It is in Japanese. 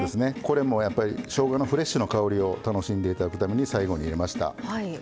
これもしょうがのフレッシュな香りを楽しんで頂くために最後に入れました。